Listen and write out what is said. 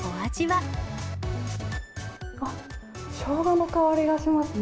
あっ、しょうがの香りがしますね。